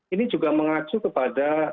ini juga mengacu kepada